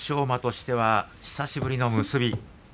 馬としては久しぶりの結び。